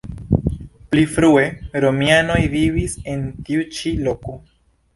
Pli frue romianoj vivis en tiu ĉi loko.